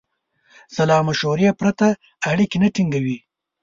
سلامشورې پرته اړیکې نه ټینګوي.